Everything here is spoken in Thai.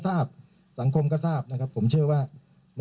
ลองไปฟังจากปากรองผู้ประชาการตำรวจภูทรภาคหนึ่งท่านตอบอย่างไรครับ